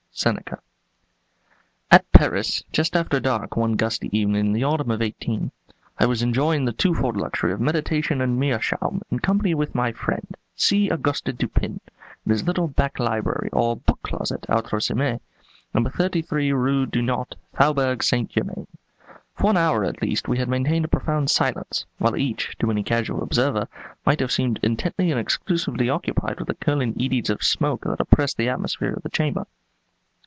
SENECA. At Paris, just after dark one gusty evening in the autumn of 18 , I was enjoying the twofold luxury of meditation and meerschaum, in company with my friend, C. Auguste Dupin, in his little back library, or book closet, au troisième, No. 33 Rue Dunôt, Faubourg St. Germain. For one hour at least we had maintained a profound silence; while each, to any casual observer, might have seemed intently and exclusively occupied with the curling eddies of smoke that oppressed the atmosphere of the chamber.